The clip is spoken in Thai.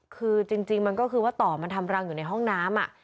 คือจริงมันก็คือว่าต่อมันทำรังอยู่ในห้องน้ำ